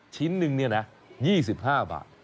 ชิ้นนึงเนี่ยนะ๒๕บาท